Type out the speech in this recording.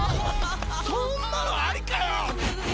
そんなのありかよ！